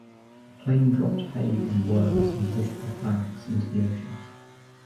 The plane dropped Hay and worms in waterproof bags into the ocean.